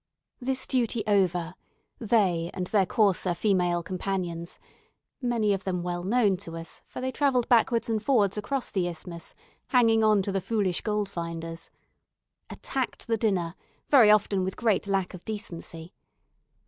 This duty over, they and their coarser female companions many of them well known to us, for they travelled backwards and forwards across the Isthmus, hanging on to the foolish gold finders attacked the dinner, very often with great lack of decency.